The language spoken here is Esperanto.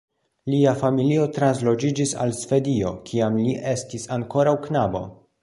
Lia familio transloĝiĝis al Svedio, kiam li estis ankoraŭ knabo.